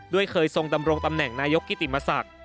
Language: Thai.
เคยทรงดำรงตำแหน่งนายกกิติมศักดิ์